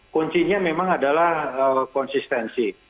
kuncinya memang adalah konsistensi